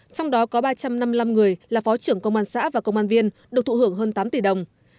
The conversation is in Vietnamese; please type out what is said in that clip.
trong đó có ba trăm năm mươi năm người là phó trưởng công an xã và công an viên được thụ hưởng hơn tám tỷ đồng